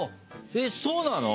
えっそうなの？